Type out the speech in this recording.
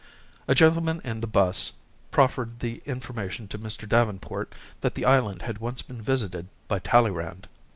A gentleman in the 'bus proffered the information to Mr. Davenport that the island had once been visited by Talleyrand.